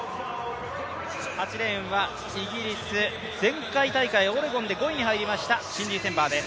８レーンは、イギリス、前回大会オレゴンで５位に入りました、シンディ・センバーです。